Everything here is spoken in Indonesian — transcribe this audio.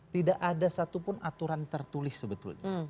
tidak ada satupun aturan tertulis sebetulnya